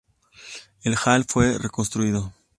El hall fue reconstruido.